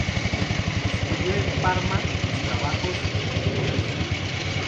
Estudió en Parma los trabajos de Correggio.